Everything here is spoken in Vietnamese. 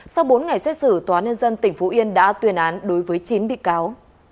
sau bốn ngày xét xử tòa nhân dân tỉnh phú yên đã tuyên án đối với chín bị cáo